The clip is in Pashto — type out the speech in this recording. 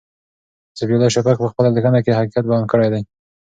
ذبیح الله شفق په خپله لیکنه کې حقیقت بیان کړی دی.